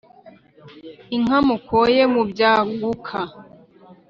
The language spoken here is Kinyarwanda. inka mukoye mu byaguka